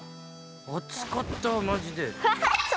熱かったマジで。